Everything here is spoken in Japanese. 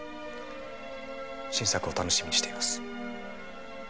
新作を楽しみにしています。